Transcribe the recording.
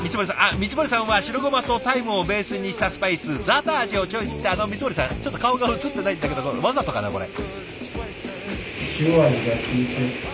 光森さんは白ごまとタイムをベースにしたスパイスザーター味をチョイスってあの光森さんちょっと顔が映ってないんだけどわざとかなこれ。